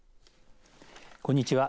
こんにちは。